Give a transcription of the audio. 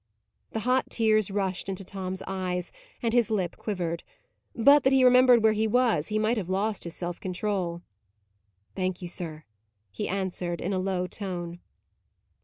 The hot tears rushed into Tom's eyes, and his lip quivered. But that he remembered where he was, he might have lost his self control. "Thank you, sir," he answered, in a low tone.